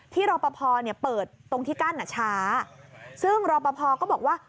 รอปภเปิดตรงที่กั้นช้าซึ่งรอปภก็บอกว่า